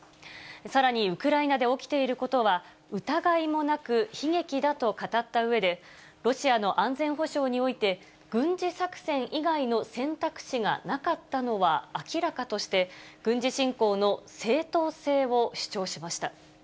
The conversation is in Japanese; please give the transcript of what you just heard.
さらにウクライナで起きていることは疑いもなく悲劇だと語ったうえで、ロシアの安全保障において、軍事作戦以外の選択肢がなかったのは明らかとして、軍事侵攻の正当性を主張しました。